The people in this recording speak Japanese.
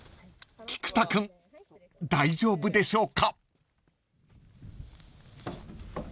［菊田君大丈夫でしょうか］